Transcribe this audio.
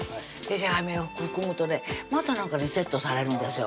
じゃがいもを含むとねまたなんかリセットされるんですよ